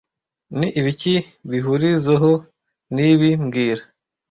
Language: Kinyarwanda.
Ni ibiki bihurizoeho nibi mbwira